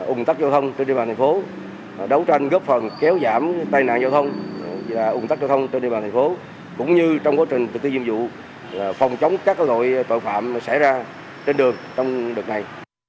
ủng tắc giao thông trên địa bàn thành phố đấu tranh góp phần kéo giảm tai nạn giao thông và ủng tắc giao thông trên địa bàn thành phố cũng như trong quá trình thực thi nhiệm vụ phòng chống các loại tội phạm xảy ra trên đường trong đợt này